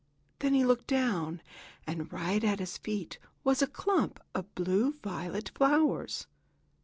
Then he looked down, and right at his feet was a clump of blue violet flowers.